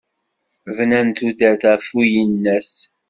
Bnan tudert γef uyennat.